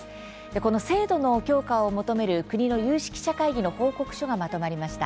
この制度の強化を求める国の有識者会議の報告書がまとまりました。